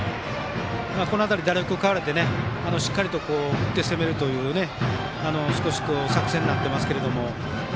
この辺りは打力を買われてしっかり打って攻めるという作戦になっていますが。